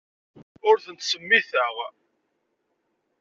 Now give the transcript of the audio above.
Ur ten-ttsemmiteɣ.